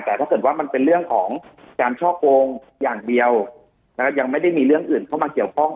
แต่ถ้าเกิดว่ามันเป็นเรื่องของการช่อโกงอย่างเดียวยังไม่ได้มีเรื่องอื่นเข้ามาเกี่ยวข้อง